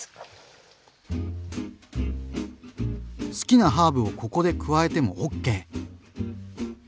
好きなハーブをここで加えてもＯＫ！